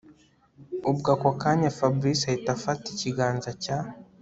Ubwo ako kanya Fabric ahita afata ikiganza cya